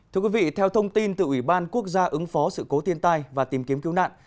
thưa quý vị theo thông tin từ ủy ban quốc gia ứng phó sự cố thiên tai và tìm kiếm cứu nạn